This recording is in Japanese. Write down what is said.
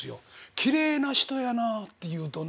「きれいな人やなあ」って言うとね